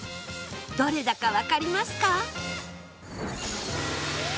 どれだかわかりますか？